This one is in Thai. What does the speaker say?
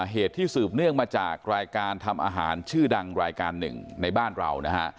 เหตุที่สืบเนื่องมาจากรายการทำอาหารชื่อดังรายการหนึ่งในบ้านเรานะฮะ